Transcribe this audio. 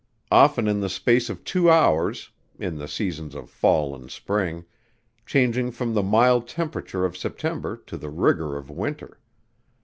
Often in the space of two hours, (in the seasons of fall and spring,) changing from the mild temperature of September to the rigor of winter.